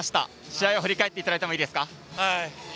試合を振り返っていただいてもいいですか？